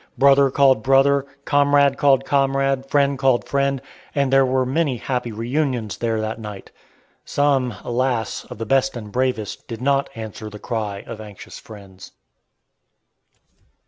Brother called brother, comrade called comrade, friend called friend; and there were many happy reunions there that night. Some alas! of the best and bravest did not answer the cry of anxious friends.